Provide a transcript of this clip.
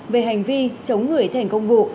về hành vi chống người thành công vụ